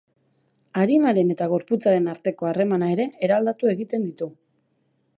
Arimaren eta gorputzaren arteko harremana ere eraldatu egiten ditu.